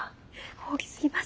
大きすぎます。